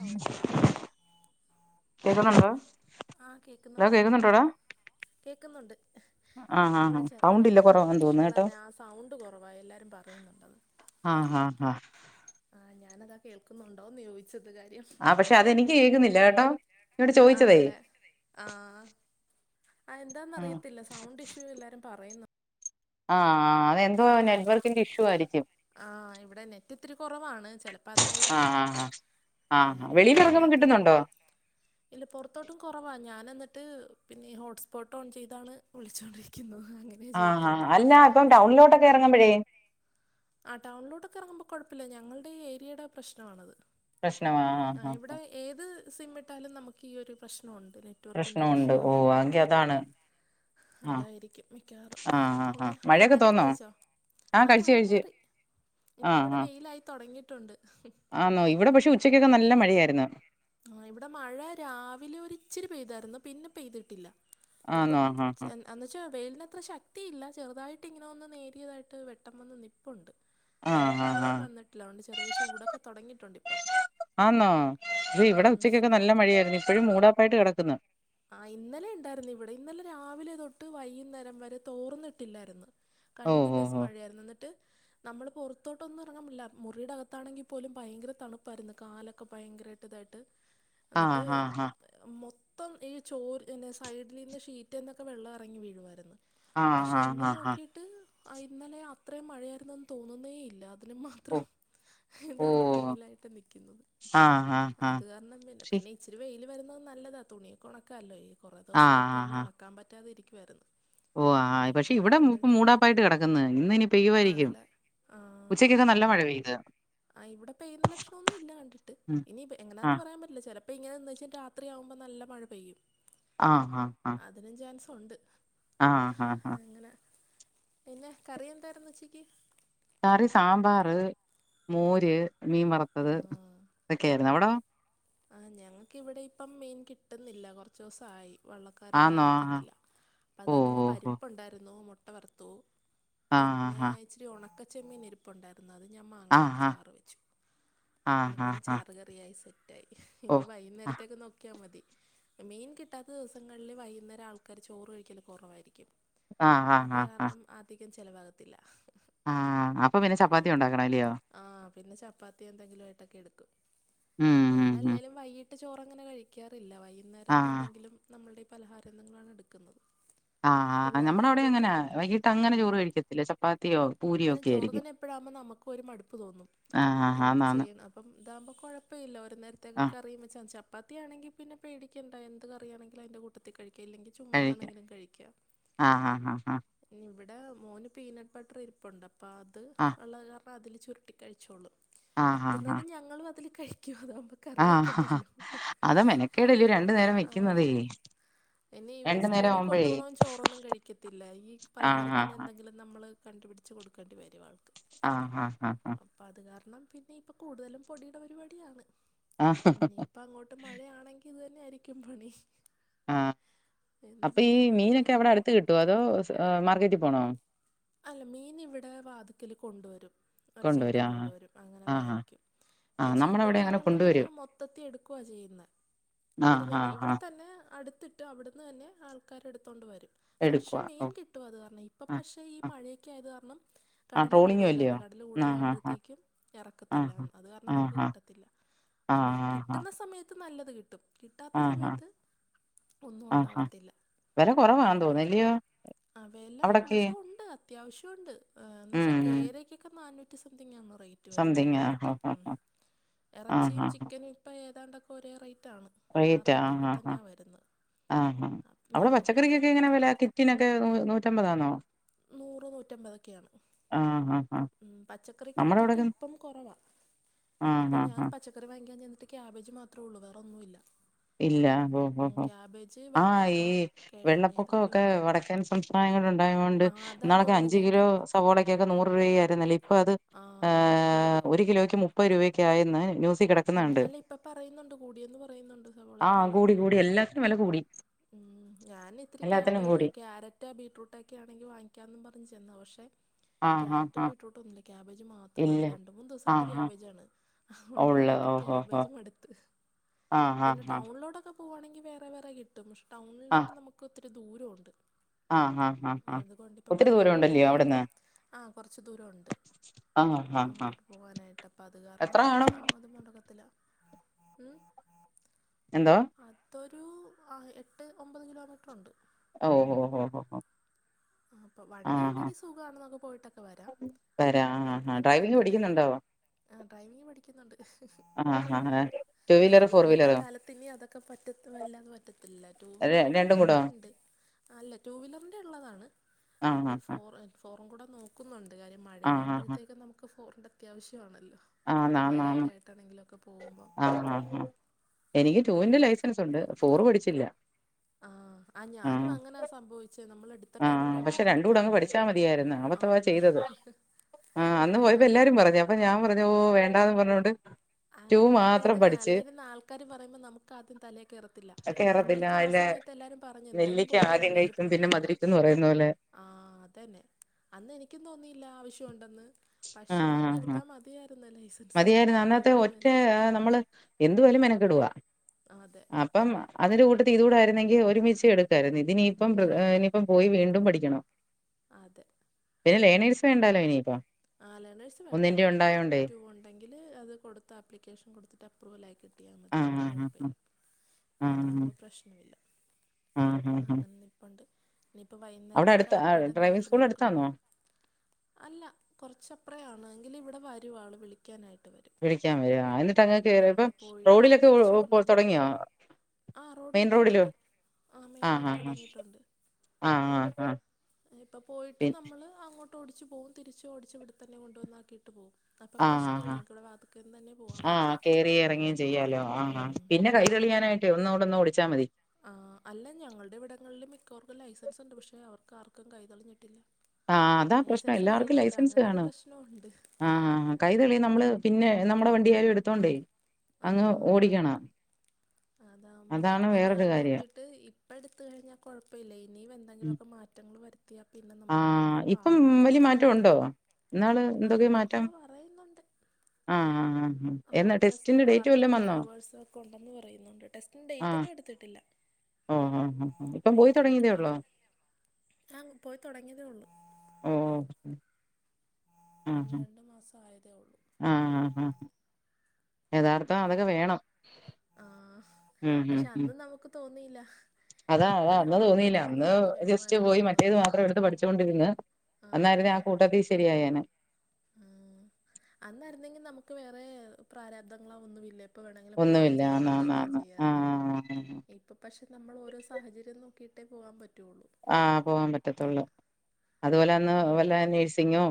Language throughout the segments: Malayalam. ഓ കേക്കുന്നുണ്ടോ ആഹ് ഹലോ കേക്കുന്നുണ്ട് കേക്കുന്നുണ്ട് കേക്കുന്നുണ്ടോടാ കേക്കുന്നുണ്ട്. ആഹ് ആഹ് ഇവിടെ ആഹ് സൗണ്ട് ഇല്ല ചെറുതായിട്ട് കുറവാന്ന് തോന്നുന്നു റേഞ്ച്ഷോള്ള കേട്ടോ പറഞ്ഞ ആ സൗണ്ട് കുറവായി എല്ലാരും പറയുന്നുണ്ടത് ആഹ് ആഹ് ആഹ് ആഹ് ഞാനതാ കേൾക്കുന്നുണ്ടോന്ന് ചോദിച്ചത് കാര്യം ആ പക്ഷെ അതെനിക്ക് കേൾക്കുന്നില്ല കേട്ടോ എന്നോട് ചോദിച്ചതേ ആണല്ലേ ആഹ് ആ എന്താന്ന് ആഹ് അറിയത്തില്ല സൗണ്ട് ഇഷ്യൂ എല്ലാരും പറയുന്നു ആഹ് അതെന്തോ നെറ്റ് വർക്കിന്റെ ഇഷ്യൂ ആയിരിക്കും ആഹ് ഇവിടെ നെറ്റ് ഇത്തിരി കുറവാണ് ചിലപ്പോ അതായിരിക്കാം ആഹ് ആഹ് ആഹ് ആഹ് ഞാനി വിടെ വെളിയിൽ ഇറങ്ങുമ്പോ തില്ലാത്ത കാരണം കിട്ടുന്നുണ്ടോ ഇല്ല പുറത്തോട്ടും കുറവാ ഞാൻ എന്നിട്ട് പിന്നെ ഹോട്ട്സ്പോട്ട് ഓൺ ചെയ്താണ് വിളിച്ചോണ്ടിരിക്കുന്നത് അങ്ങനെ ആഹ് ചെയ്യത്തുള്ളൂ അല്ല ഇപ്പം ടൗണിലോട്ടൊക്കെ ഇറങ്ങുമ്പോഴേ ആ ടൗണിലോട്ടൊക്കെ ഇറങ്ങുമ്പോ കുഴപ്പില്ല ഞങ്ങളുടെ ഈ ഏരിയയുടെ പ്രശ്നമാണത് പ്രശ്നമാണ് ആഹ് ആ ആഹ് ഇവിടെ ഏത് സിമ്മ് ഇട്ടാലും നമുക്ക് ഈ ഒരു പ്രശ്നമുണ്ട് റെയ്ഞ്ചി നെറ്റ് വർക്കിൻ്റെരു പ്രശ്നമുണ്ട് ഇഷ്യൂ ഓ ഉള്ളതാ എങ്കി അതാണ് ആഹ് അതായിരിക്കും മിക്കാറും ആഹ് ആഹ് ആഹ് ഇല്ലാ മഴയൊക്കെ ഫുഡൊക്കെ തോന്നോ കഴിച്ചോ ആഹ് ആ കഴിച്ചു മഴ കഴിച്ചു മാറി ഇപ്പ ആഹ് ഇവിടെ ആഹ് വെയിലായി തോടങ്ങീട്ടുണ്ട് ആന്നോ ഇവിടെ പക്ഷെ ഉച്ചയ്ക്കൊക്കെ നല്ല മഴയായിരുന്നു ആ ഇവിടെ മഴ രാവിലെ ഒരിച്ചിരി പെയ്തായിരുന്നു പിന്നെ പെയ്തിട്ടില്ല ആന്നോ ഇപ്പം ആഹ് ആഹ് ചെലപ്പം എന്താച്ചാൽ വെയിലിത്ര ശക്തിയില്ല ചെറുതായിട്ട് ഇങ്ങനെ ഒന്ന് നേരിയതായിട്ട് വെട്ടം വന്ന് നിപ്പുണ്ട് എന്നാ ആഹ് ആഹ് മഴയും ആഹ് വന്നിട്ടില്ല അതോണ്ട് ചെറിയ ചൂടൊക്കെ തുടങ്ങിയിട്ടുണ്ട് ഇപ്പൊ ആന്നോ ഇ ഇവിടെ ഉച്ചക്കൊക്കെ നല്ല മഴിയായിരുന്നു ഇപ്പോഴും മൂടാപ്പായിട്ട് കെടക്കുന്നു ആ ഇന്നലെ ഉണ്ടായിരുന്നു ഇവിടെ ഇന്നലെ രാവിലെ തൊട്ട് വൈകുന്നേരം വരെ തോർന്നിട്ടില്ലായിരുന്നു ഓ ഓ കണ്ടിന്യൂസ് ഓ മഴയായിരുന്നോന്നിട്ട് നമ്മളിപ്പോൾ പുറത്തോട്ടൊന്നുംറങ്ങാമില്ല മുറിയുടെ അകത്താണെങ്കിൽ പോലും ഭയങ്കര തണുപ്പായിരുന്നു കാലൊക്കെ ഭയങ്കരയിട്ട് പടുതായിട്ട് [inaudible] ന്നിട്ട് ആഹ് മൊത്തം ഈ ചോറ് ന്റെസൈഡിൽന്റെ ഷീറ്റയിട്ട് മറ്റന്നൊക്കെ വെള്ളം ഇറങ്ങി വീഴുായിരുന്നു ആഹ് പക്ഷെ ആഹ് ആഹ് ഇന്ന് ആഹ് ആഹ് നോക്കിയിട്ട് ആ ഇന്നലെ അത്രയും മഴയായിരുന്നുെന്ന് തോന്നുന്നേ ഇല്ല അതിന് ഓ മാത്രം ഓ ഇതാണ് വെയിലായിട്ട് നിക്കുന്നത് ആഹ് ആഹ് ആഹ് അത് കാരണം ശി പിന്നെ ഇച്ചിരി വെയിൽ വരുന്നത് നല്ലതാണ് തുണിയൊെ ഉണക്കമല്ലോ ഈ കുറ ആഹ് ദിവസമായിട്ട് ഒന്ന് ഉണക്ക ഒണക്കാൻ പറ്റാതെ ഇരിക്കുവായിരുന്നു ഓഹ് ആ പക്ഷെ ഇനിയിപ്പോൾ ഇവിടെ ഇപ്പ ഉണക്കുമ്പോഴത്തേക്ക് കുഴപ്പമില്ല മൂടാപ്പായിട്ട് കിടക്കുന്നത് ഇന്ന് ഇനി പെയ്യുായിരിക്കും ആണല്ലേ ഉച്ചക്കൊക്കെ നല്ല മഴ പെയ്യും ആഹ് ആഹ് ഇവിടെ പെയ്യുന്ന ലക്ഷണ്ണൊന്നും ഇല്ല കണ്ടിട്ട് ഉം ഇനി എങ്ങനാന്നന്ന് ആഹ് പറയാൻ പറ്റില്ല ചിലപ്പോ ഇങ്ങനെന്ന് വെച്ചൽ രാത്രിയാവുമ്പോ നല്ല മഴ പെയ്യും ആഹ് ആഹ് ആഹ് അതിനും ചൻസുണ്ട് ആഹ് ആഹ് ആഹ് അങ്ങനെ പിന്നെ കറി എന്തായിരുന്നുച്ചിക്ക് കറി സാമ്പാർ മോര് മീൻ വറുത്തത് ഇതൊക്കെയായിരുന്നു അവിടെ ആഹ് ഞങ്ങക്ക് ഇവിടെ ഇപ്പം മീൻ കിട്ടുന്നില്ല കുറച്ച ദിവസയി വള്ളക്കാരൊന്നും ആന്നോ ആഹ് ഇറക്കുന്നില്ല അപ്പത് ഓ കാരണം ഇന്ന് ഓ ഓ പരിപ്പുണ്ടായിരുന്നു മുട്ട വറുത്തു ആഹ് പിന്നെ ആഹ് ഇച്ചിരി ഉണക്കച്ചെമ്മീനിരിപ്പുണ്ടായിരുന്നു ഇരിപ്പുണ്ടായിരുന്നു അത് ഞാൻ മാങ്ങായിട്ട് ആഹ് ചാറ് വെച്ചു അപ്പോ ആഹ് ആഹ് അങ്ങനെ ആഹ് ആഹ് ചാറ് കറിയായി സെറ്റ് ഓ ഇനി ആഹ് വൈകുന്നേരത്തേക്ക്‌ നോക്കിയാ മതി മീൻ കിട്ടാത്ത ദിവസങ്ങളില് വൈകുന്നേരം ആൾക്കാര് ചോറ് കഴിക്കല് കൊറവായിരിക്കും ആഹ് ആഹ് അത് ആഹ് കാരണം ആധികം ചെലവാകത്തില്ല ആ. അപ്പൊ പിന്നെ ചപ്പാത്തി പിന്നെപ്പോ ഉണ്ടാക്കണം അല്ലയോ? ആഹ് പിന്നെ ചപ്പാത്തി എന്തെങ്കിലും ആയിട്ടൊക്കെ എടുക്കും ഉം ഉം, ഉം. ഞങ്ങളല്ലേലും വൈകീട്ട് ചോറങ്ങനെ കഴിക്കാറില്ല ആ. വൈകുന്നേരം എന്തെങ്കിലും നമ്മൾടെ ഈ പലഹാരന്ധനങ്ങളാണ് എടുക്കുന്നത് ആ, ആ. നമ്മുടെ പിള്ളേർക്ക് അവിടെയും അങ്ങനാ. കുറുക്കൊക്കെ മതി വൈകീട്ട് അങ്ങനെ ചോറ് ഉം കഴിക്കത്തില്ല. ചപ്പാത്തിയോ പൂരിയോ കാരണം ഒക്കെ ചോറ് തന്നെ എപ്പഴാവുമ്പോ നമ്മുക്ക് പ്പൊരു മടുപ്പ് തോന്നും ആഹ് ആഹ് ആന്നാന്ന് പ്പം ഇതാവുമ്പോ കൊഴപ്പയില്ല ഒരു നേരത്തേക്ക്‌ ആ കറിയും വെച്ചാതി ച പ്പാത്തിയാണെങ്കി പിന്നെ പേടിക്കേണ്ട എന്ത് കറിയാണെങ്കിലും അതിന്റെ കൂട്ടത്തി കഴിക്കു അല്ലെങ്കിൽ കഴിക്കാം. ചുമ്മാതാണെങ്കിലും കഴിക്കാ ആ, ആ, ആ, ആ. ഇവിടെ മോന് പീനട്ട് ബട്ടർ ഇരിപ്പുണ്ട് അപ്പാത് ആ, ഉള്ള കാരണം പ്പൊ അതില് ചുരുട്ടി കഴിച്ചോളും ആ, ആ, ആ. പറ്റുന്നതും ഞങ്ങളും അതില് കഴിക്കു ആ, പ്പക്കറി വക്കണ്ടല്ലോ അതാ മെനക്കേടല്ലേ നേരം ആഹ് വെക്കുന്നതേ. എനീ നേരം സ്കൂളിൽ ആവുമ്പഴേ. കൊണ്ടോണോൻ ചോറൊന്നും കഴിക്കത്തില്ല ഈ ആ, പലഹാരം ആ, തന്നെ ആ. എന്തെങ്കിലും നമ്മള് കണ്ടുപിടിച്ച് കൊടുക്കേണ്ടി വരും ആൾക്ക് ആഹ് ആഹ് ആഹ് ആഹ് അപ്പൊ അത് കാരണം പിന്നെ ഇപ്പൊ കൂടുതലും പൊടിയുടെ പരിപാടിയാണ് ഇനിയിപ്പ അങ്ങോട്ട് മഴയാണെങ്കി ഇത് തന്നെ ആയിരിക്കും പണി ആഹ് എന്ത് അപ്പീ ഈ ചെയ്യാനാണോ എന്തോ മീനൊക്കെ അവിടെ അടുത്ത് കിട്ടോ അതോ മാർക്കറ്റിൽ പോണോ അല്ല മീനിവിടെ വാതുക്കല് കൊണ്ടുവരും ഒരു ചേട്ടൻ കൊണ്ടുവരും അങ്ങനെ ആ. ആ, വാങ്ങിക്കും ആ. നമ്മുടെ അവിടെ അങ്ങനെ പക്ഷെവിടങ്ങളന്ന് കൊണ്ടുവരും. പറഞ്ഞാൽ മൊത്തത്തി എടുക്കുവാ ചെയ്യുന്നെ ആ, ഇവര് ആ, തന്നെ ആ. ഇവിടെ തന്നെ അടുത്തി ട്ട് അവിടുന്ന് തന്നെ ആൾക്കാരെടുത്തോണ്ട് വരും ഫ്രഷ് എടുക്കുവാ. ഓ. മീൻ കിട്ടും അത് കാരണം ഇപ്പ ആ, പക്ഷെ ആ. ഈ മഴെക്കെ ആയത് കാരണം ആഹ് കടല് ട്രോളിംഗും കൂടുതലാണ് അല്ലയോ കടല് ആഹ് കൂടുതലാകുമ്പോഴത്തേക്കും ഇറക്കത്തില്ല ആഹ് അത് കാരണം നമുക്ക് ആഹ് കിട്ടത്തില്ല ആഹ് അന്ന് ആഹ് ആഹ് കിട്ടുന്ന സമയത്ത് നല്ലത് കിട്ടും കിട്ടാത്ത ആഹ് സമയത്ത് ഒന്നും ആഹ് ആഹ് ഉണ്ടാവത്തില്ല വെല കൊറവാന്ന് കഴിഞ്ഞ തോന്നുന്നല്ലയോ ആഹ് വെല എന്ന് അവിടൊക്കെ വെച്ചാ ഉണ്ട് അത്യാ വശ്യുണ്ട് എന്ന് വെച്ചാ ഉം കേരയ്ക്കൊക്കെ നാനൂറ്റി സംതിങ് ആണു റേറ്റ് റ്റ് വരുന്ന സംതിങ് ആഹ് കിലോയ്ക്ക് ഉം ആഹ് ഇറച്ചിയും ആഹ് ചിക്കനും ഇപ്പൊ ഏതാണ്ടൊക്കെ ഒരേ റേറ്റ് ആണ് റേറ്റാ ആഹ് ആഹ് ആഹ് ആഹ് അപ്പം ഞാൻ അവിടെ നോക്കിയിട്ട് ഏത് പച്ചക്കറിക്കൊക്കെ എങ്ങനെ വാങ്ങിച്ചാലും വില കി റ്റിനൊക്കെ നൂ നൂറ്റമ്പതാണോ നൂറ് നൂറ്റമ്പതൊക്കെയാണ് ആഹ് ആഹ് ആഹ് ഉം പച്ചക്കറി നമ്മുടെ കിറ്റൊക്കെ അവിടൊക്കെ ഇപ്പം കുറവാ ആഹ് ഇപ്പൊ ആഹ് ഞാൻ ആഹ് പ ച്ചക്കറി വാങ്ങിക്കാൻ ചെന്ന്ട്ട് ക്യാബേജ് മാത്രേ ഉള്ളൂ വേറൊന്നുല്ല ഇല്ല ഓ ഹോ ഹോ ആഹ് വെണ്ടക്ക ഈ കിഴങ്ങ് ഇതൊക്കെ വെള്ളപ്പൊക്കമൊക്കെ ഉള്ളൂ വടക്കൻസ് സംസ്ഥാനങ്ങളിലുണ്ടായത് കൊണ്ട് ആ അതാന്ന് ന്നാളൊക്കെ തോന്നുന്നു അഞ്ച് ഞാൻ കിലോ ക്യാ സവോളക്കൊക്കെ നൂറ് രൂപയായിരുന്നില്ലേ ഇപ്പൊ അത് ആഹ് ഏഹ് കൂടി ഒരു കിലോയ്ക്ക് മു പ്പത് രൂപയൊകയെന്ന് ന്യൂസീ കെട ഉം അല്ല ഇപ്പൊ പറയുന്നുണ്ട് കൂടിയെന്ന് പറയുന്നുണ്ട് സവോളയ്ക്കും ആഹ് കൂടി എല്ലാത്തിനും കൂടി എല്ലാത്തിനും വെല കൂടി ഉം ഞാനിത്തിരി എല്ലാത്തിനും ക്യാബേജ് കൂടി ക്യാര റ്റ ബീട്രൂട്ടൊക്കെ ആണെങ്കിൽ വാങ്ങിക്കാന്നും പറഞ്ഞു ചെന്നാ പക്ഷെ ആഹ് ആഹ് ക്യാരറ്റും ആഹ് ബീട്രൂട്ടുംന്നുല്ല ക്യാബേജ് മാ ത്രൊള്ളൂ ഇല്ല രണ്ട് മൂന്ന് ദിവസായിട്ട് ആഹ് ആഹ് ക്യാബേജാണ് അതുകൊണ്ട് ഇവിടെ ഉള്ള് ഇപ്പ ഓഹോ ഹോ ക്യാബേജ് മടുത്ത് ആഹ് പിന്നെ ആഹ് ആഹ് ടൗണിലോട്ടൊക്കെ പോവാണെങ്കി വേറെ വേറെ കിട്ടും പക്ഷെ ടൗണിലോട്ട് നമുക്ക് ഒത്തിരി ദൂരം ഉണ്ട് ആഹ് ആഹ് ആഹ് ആഹ് ആഹ് അതുകൊണ്ട് ഇപ്പ ഒത്തിരി മഴയും ദൂരം കൂടി ഉണ്ടല്ലയോ ആയത് കാരണം അവിടുന്ന് ആഹ് കൊറച്ചു ദൂരം ഉണ്ട്. ആഹ് ആഹ് ആഹ് അങ്ങോട്ട് പോവാനായിട്ട് അപ്പ അത് കാരണം എത്ര കാണും അ അതു നടക്കത്തില്ല ഉം എന്തോ അതൊരു ആഹ് എട്ട് ഒമ്പത് കിലോമീറ്ററ് ഒണ്ട് ഓഹോ ഹോ ഹോ അപ്പ വണ്ടിണ്ടെങ്കി സുഖാണ് നമ്ക്ക് പോയിട്ടക്കെ വരാ വരാ ആഹ് ആഹ് ഡ്രൈവിംങ് പഠിക്യുന്നുണ്ടോ ആഹ് ഡ്രൈവിങ് പഠിക്യുന്നുണ്ട് [unintelligible] ആഹ് ഇന്യന്നത്തെ വീലറോ കാലത്ത് ന്നി അതൊക്കെ പറ്റത്തു വല്ലാംന്ന് പറ്റത്തില്ല ര റ്റൂവീലറൊക്കെ രണ്ടും കൂടോ നേര്ത്തെണ്ട് അല്ല റ്റൂവീലർൻ്റെ ള്ളതാണ് ആഹ് ഇപ്പ ആഹ് ഫോർ ഫോറും കൂടെ നോക്കുന്നുണ്ട് കാര്യം ആഹ് ആഹ് മഴയാമ്പഴ്ത്തേക്കും നമുക്ക് ഫോറിൻ്റെ ത്യാവശ്യാണല്ലോ ആന്ന് ആന്ന് ആന്ന് ആഹ് ആഹ് ആഹ് എനിക്ക് റ്റൂവിന്റെ അങ്ങനെ ലൈസൻസുണ്ട് ഫോറ് പഠിച്ചില്ല ആഹ് ആ ഞാനും ആഹ് അങ്ങനെ സംഭവ്ച്ചേ നമ്മൾട്ത്ത് ത്ത ടൈമിൽ ആഹ് രണ്ടും പക്ഷെ കൂടെ ട്ത്താ അങ്ങ് പഠിച്ചാ മതിയാര്ന്നു മതിയായിരുന്നു അബദ്ധവാ ആന്നേ ചെയ്തത് ആഹ് അന്ന് പോയപ്പോ എല്ലാരും പറഞ്ഞു അപ്പൊ ഞാൻ പറഞ്ഞ് ഓ വേണ്ടാന്ന് പറഞ്ഞോണ്ട് ടു ആഹ് മാത്രം അതങ്ങനെയാ പഠിച്ച് അല്ലേലും ന്നാൾക്കാര് പറിമ്പോ നമുക്ക് ആദ്യം തലേ കേറത്തില്ല കേറത്തില്ല എന്റടുത്തു ആ അല്ല സമയത്ത് എല്ലാരും പറഞ്ഞു എന്തായാലും നെല്ലിക്ക ആദ്യം പോകുന്നുണ്ടല്ലോ എങ്കി കഴിക്കും പിന്നെ രണ്ടു ങ്കൂടെ ട്ക്കാൻ മധുരിക്കുംന്ന് പറയുന്ന പോലെ ആഹ് അതന്നെ അന്നനിക്യും തോന്നിയില്ല ആവശ്യൊണ്ടൊന്ന് ആഹ് പക്ഷെ ആഹ് ആഹ് അന്നട്ത്താ മതിയാര്ന്ന് ലൈസൻസ് മതിയായിരുന്നു അന്നത്തെ കിട്ടിയിട്ടും ഒറ്റ തന്നെ നമ്മള് എന്തുവായാലും മെനക്കെടുവാ ആതെ അപ്പം അതിന്റെ കൂട്ടത്തി ഇതൂടെ ര്ന്നെങ്കി ഒരുമിച്ച് എട് ക്കരുതി ഇതിനിയിപ്പം പ്രകൃ അ് ആഹ് ഇനിയിപ്പം പോയി വീണ്ടും പഠിക്യണം അതെ പിന്നെ ലേണേഴ്സ് വേണ്ടാലോ ഇനിയിപ്പം ആഹ് ലേണേഴ്സ് വേണ്ട റ്റൂ ഉണ്ടെങ്കില് അത് കൊടുത്ത ആപ്ലിക്കേഷൻ കൊട്ത്തിട്ട് അപ്രൂവൽ ആകി ട്ടിയാമത് ആഹ് പിന്നെ ആഹ് കൊഴപ്പെല്ല ആഹ് ആഹ് അതാമ്പോ പ്രശ്നമില്ല ആഹ് ആഹ് ആഹ് അങ്ങനെ നിൽപ്പണ്ട് നിപ്പ അവിടെ വൈകുന്നേര്ത്തൊ അടുത്ത ആ, കാപ്പീടെ ഡ്രൈവിംഗ് ന്തെങ്കിലുക്കെ സ്കൂൾ നോക്കണം അടുത്താന്നോ അല്ല കൊറച്ചപ്രേ ആണ് ങ്കിലുഇവിടെ വരുആള് വിളി ക്യാനായിട്ട് വരും വിളിക്കാൻ വരാ എന്നിട്ട് ഉം അങ്ങ് ഇപ്പ കേറി ഇപ്പം നമ്മള് പോയിട്ട് റോഡിലൊക്കെ ഒ തിരിച്ച് ഒ പൊ കൊണ്ട്വന്ന തുടങ്ങിയോ ആ റോഡ്ല് മെയിൻ റോഡിലോ തൊടങ്ങി. ആഹ് മെയ്ൻൽ തൊടങ്ങിട്ടുണ്ട് ആഹ് ആഹ് ആഹ് എ ഇപ്പ പോയിട്ട് പി നമ്മൾ അങ്ങോ ട്ടോടിച്ച് പോവും തിരിച്ച് ഓടിച്ച് ഇവിട്ത്തന്നെ കൊണ്ടുവന്നാക്കിട്ട് പോവും അപ്പോൾ ആഹ് ആഹ് പ്രശ്നമില്ല നമുക്ക് ഇവിടെ വാതുക്കൽ നിന്ന് തന്നെ പോകാൻ ആഹ് പറ്റും ആഹ് കേറി ഇറങ്ങിയും ചെയ്യാലോ ആഹ് ഉം ആഹ് പിന്നെ കൈതെളിയാനായിട്ടേ ഒന്നോടൊന്നു ഓടിച്ചാ മതി ആഹ് അല്ല ഞങ്ങൾടെ ഇവിടങ്ങൾല് മിക്കവർക്കു ലൈസൻസ്ണ്ട് പക്ഷെ അവർക്ക് ആർക്കും കൈതെളിഞ്ഞിട്ടില്ല ആഹ് അതാ പ്രശ്നം എല്ലാർക്കും ലൈസൻസ് കാണും പ്രശ്നമുണ്ട് ആഹ് കൈ തെളിയും നമ്മള് പിന്നെ നമ്മുടെ വണ്ടിയാലും എടുത്തോണ്ടേയ് അങ്ങ് ഓടിക്കണം അതാവുമ്പോ അതാണ് ഇപ്പൊ ഞാൻ വേറൊരു കാര്യം നോക്കിട്ട് ഇ പ്പട്ത്ത് കഴിഞ്ഞ കൊഴപ്പില്ല ഇനിം വെന്തെലുക്കെ മാറ്റങ്ങൾ വരു ത്ത്യാ പിന്നെ നമുക്ക് വീണ്ടും പാടാവും റ്റുണ്ടോ ന്നാള് ആ എന്തൊക്കെ മാറ്റം എന്തൊക്കെയോ പറയുന്നുണ്ട് ആഹ് ആഹ് ആഹ് എന്നാ റോഡ് ടെസ്റ്റ് ടെസ്റ്റിന്റെ ഡേറ്റ് വല്ലോം പാർക്കിങ്ങ് വന്നോ റ്രിവേഴ്സൊ ക്കെ ഉണ്ടന്ന് പറയുന്നുണ്ട് ടെസ്റ്റിന്റെ ആഹ് ഡൈറ്റൊന്നും എട്ത്തിട്ടില്ല [inaudible] ഓഹ് ഇപ്പം പോയി തുടങ്ങിയതേ ഡൈറ്റട്ക്ക്ണ് ഉള്ളോ വനി ആങ്ങ് പോയി തൊടങ്ങിയതേ ഉള്ളു ആഹ് ഒന്ന് രണ്ട് മാസായതേ ഒള്ളു ആഹ് ആഹ് ആഹ് യഥാർത്ഥം അതൊക്കെ വേണം ആഹ് ഉം ഉം പക്ഷെ ഉം അന്ന് നമ്ക്ക് തോന്നിയില്ല അതാ അതാ അന്ന് ഇപ്പോഴാണ് നമുക്ക് തോന്നിയില്ല അന്ന് തോന്നുന്നത് ജസ്റ്റ് വേണമായിരുന്നു പോയി എന്നുള്ളത് മറ്റേത് മാത്രം എടുത്ത് പഠിച്ചു കൊണ്ടിരുന്ന് അന്നായിരുന്നേ ആ കൂട്ടത്തിൽ ശരിയായാനേ ഉം അന്നായിരുന്നെങ്കിൽ നമുക്ക് വേറെ പ്രാരാബ്ദങ്ങളോ ഒന്നുമില്ല പ്പ വേണങ്കിലും പോകേം ഒന്നുമില്ല ആന്ന് ചെയ്യാര്ന്നു ആന്ന് വരികേം ആന്ന് ചെയ്യാര്ന്നു ആഹ് അപ്പം പക്ഷെ നമ്മൾ ഓരോ സാഹചര്യം നോക്കിയിട്ടേ പോകാൻ പറ്റുകയൊള്ളൂ ആ പോവാൻ പറ്റത്തൊള്ളൂ അതുപോലെ അന്ന് അങ്ങനെ വല്ല നേഴ്സിങ്ങോ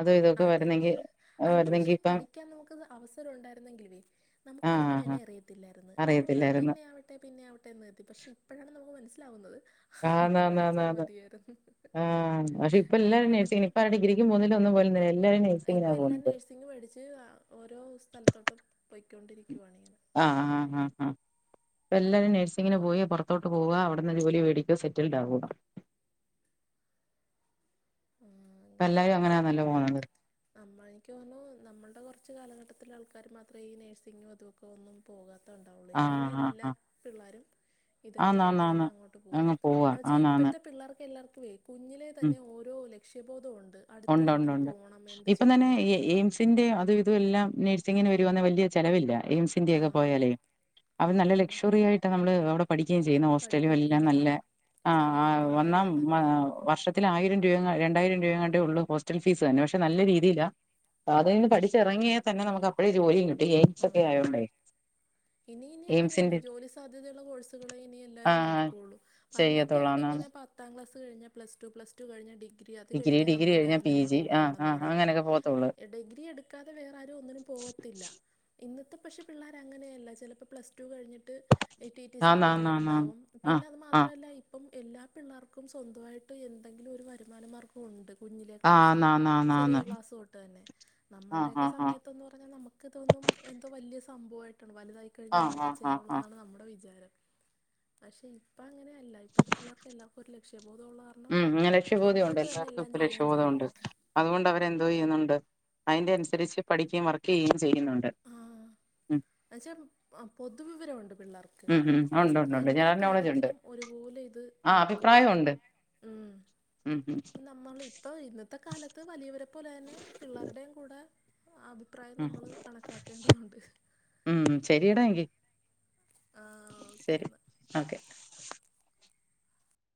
അതോ ഇതൊക്കെ അതെ വരുന്നെങ്കിൽ അന്ന് പക്ഷേ പഠിക്കാൻ നമുക്ക് അവസരം ഉണ്ടായിരുന്നെങ്കിലേ നമുക്ക് അതിൻ്റെ ആഹ് വില അറിയത്തില്ലായിരുന്നു അതുകൊണ്ടാണ് അറിയത്തില്ലായിരുന്നു പിന്നെ അത് പിന്നെ ആവട്ടെന്ന് നിർത്തി പക്ഷെ ഇപ്പോഴാണ് നമുക്ക് മനസ്സിലാകുന്നത് ആ ന്നാ ന്നാ അതെ നന്നാ ആ പക്ഷെ ഇപ്പൊ എല്ലാവരും എന്താ നേഴിങ് ഇപ്പ ഡിഗ്രി മൂന്നില് ഒന്ന് പോലെ ഇപ്പൊ എല്ലാം നേഴ്സിങ് പഠിച്ച് ഓരോ സ്ഥലത്തോട്ട് പോയ്ക്കൊണ്ടിരിക്കുവാണി ഇങ്ങനെ ആ ആ ആ ഇപ്പ എല്ലാവരും നഴ്സിങ്ങിന് പോയി പുറത്തോട്ട് പോവുക അവിടുന്ന് ജോലി മേടിക്കുക സെറ്റിൽഡ് ആവുക ആ പ്പ എല്ലാരും അങ്ങനെ ആന്നല്ലോ പോണത് നമ്മൾ എനിക്ക് തോന്നുന്നു നമ്മളുടെ കുറച്ച് കാലഘട്ടത്തിലെ ആൾക്കാർ മാത്രമേ ഈ നേഴ്സിങ്ങും അതും ഓ ഒന്നും പോകാത്ത ഉണ്ടാവുള്ളു ആഹ് ഇനിയുള്ള ആഹ് എല്ലാ ആഹ് പിള്ളേരും ആന്ന് ഇതൊക്കെയായിട്ട് ആന്ന് തന്നെ ആന്ന് അങ്ങോട്ട് പോകും അങ്ങ് പോവാ എന്ന് വെച്ചാൽ ആന്നാന്ന് ഇപ്പോഴത്തെ പിള്ളേർക്ക് എല്ലാ വർക്കുമേ കുഞ്ഞിലെ ഉം തന്നെ ഓരോ ലക്ഷ്യബോധവും ഉണ്ട് അടുത്തത് ഒണ്ട് എന്തിന് പോകണം എന്ത് ചെയ്യണം എന്നൊക്കെ ഇതിന്റെ അതും ഇതും എല്ലാം നഴ്സിങ്ങിന് വരുവാണെങ്കിൽ വലിയ ചിലവല്ലേ ആ പിന്നെയൊക്കെ പോയാലേ അവർ നല്ല പിന്നെ ലഷോറിയായിട്ട് നമ്മ പഠിക്കുകയും ചെയ്യുന്നേ ഹോസ്റ്റലും പഠിപ്പിക്കുകയും എല്ലാം നല്ല ചെയ്യും വന്നാം സജ്ജീകരണങ്ങളെല്ലാം നല്ലതാണ് വർഷ ആയിരം രൂപ രണ്ടായിരം രൂപ കണ്ടേ ഉള്ളൂ ഹോസ്റ്റൽ ഫീസ് തന്നെ പക്ഷെ നല്ല രീതിയിലാ അതിൽ നിന്ന് പഠിച്ചിറങ്ങിയാൽ തന്നെ ഇന്ന് നമുക്ക് അപ്പഴേ ജോലിയും കിട്ടും എയിസ് ഒക്കെ ആ ആയോണ്ടേ ഇനി ഇനി അങ്ങനെയാണ് എയിംസിന്റെ ജോലി സാധ്യതയുള്ള കോഴ്സുകളെ ഇനി ആ എല്ലാവരും നോക്കെയൊള്ളു ചെയ്യത്തുള്ളൂ പണ്ടൊക്കെയാണ് ആന്നാന്ന് ഇങ്ങനെ പത്താം കഴിഞ്ഞ പ്ലസ്ടു പ്ലസ് പ്ലസ്‌ടു കഴിഞ്ഞ ഡിഗ്രി അത് കഴിഞ്ഞ് ഡിഗ്രി നമ്മൾ കഴിഞ്ഞാ വേറെ പി എന്തേങ്കിലും ജി ആ പോകാവുള്ളൂ ആ എന്ന് പറയുന്നത് അങ്ങനെയൊക്കെ പോകത്തുള്ളൂ ഡിഗ്രി എടുക്കാതെ വേറെ ആരും ഒന്നിനും പോവത്തില്ല ഇന്നത്തെ പക്ഷെ പിള്ളേർ അങ്ങനെയല്ല ചിലപ്പോൾ പ്ലസ്ടു കഴിഞ്ഞിട്ട് ടിടിസിക്ക് ആന്നാന്നാന്നാന്ന് പോകുന്നവരുണ്ടാവും ആ പിന്നെ അതു ആ മാത്രമല്ല ഇപ്പം എല്ലാ പിള്ളേർക്കും സ്വന്തമായിട്ട് എന്തെങ്കിലും ഒരു വരുമാന മാർഗം ഉണ്ട് കുഞ്ഞിലെ ക്ലാസ്സ് ചെറിയ ആന്നാന്നാന്നാന്ന് ക്ലാസ് തൊട്ട് തന്നെ ആ നമ്മളുടെ ആ ഒക്കെ ആ സമയത്ത് നിന്ന് പറഞ്ഞാൽ നമുക്ക് തോന്നും എന്തോ വലിയ സംഭവമായിട്ടാണ് വലുതായി കഴിഞ്ഞ് ആ ആ ഇങ്ങനൊക്കെ ആ ചെയ്യാവുള്ള ആ എന്നാണ് നമ്മുടെ വിചാരം പക്ഷെ ഇപ്പൊ അങ്ങനെയല്ല ഇപ്പോഴത്തെ പിള്ളേർക്ക് എല്ലാവർക്കും ഒരു ലക്ഷ്യബോധമുള്ള കാരണം ഉം ഇങ്ങനെ ലക്ഷബോധം ഉണ്ട് സ്വന്തമായിട്ട് തന്നെ എല്ലാവർക്കും എല്ലാം ഇപ്പ ചെയ്യുകയും ലക്ഷബോധം ചെയ്യും ഉണ്ട് അതുകൊണ്ട് അവരെന്തോ ചെയ്യുന്നുണ്ട് അതിന്റെ അനുസരിച്ച് പഠിക്കുകയും വർക്ക് ചെയ്യുകയും ചെയ്യുന്നുണ്ട് ഉം എന്ന് വെച്ചാൽ പൊതുവിവരമുണ്ട് പിള്ളേർക്ക് ഉം ഉം ഉണ്ട് ഉണ്ട് ഉണ്ട് എല്ലാ ജനറൽ നോളജ് ഉണ്ട് കാര്യത്തിലും ഒരുപോലെ ഇത് ആ നോക്കും അഭിപ്രായം ഉണ്ട് ഉം ഉം നമ്മൾ ഇപ്പ ഇന്നത്തെ കാലത്ത് വലിയവരെ പോലെ തന്നെ പിള്ളേരുടെയും കൂടെ അഭിപ്രായം ഉം നമ്മൾ കണക്കാക്കേണ്ടതുണ്ട് ഉം ശരിയടാ എങ്കിൽ ആ ഓക്കെ എന്നാ ഓക്കെ